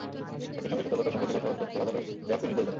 একই সঙ্গে সতর্কতার সঙ্গে জিজ্ঞাসাবাদ করতে আদালত র্যা বকে নির্দেশ দেন।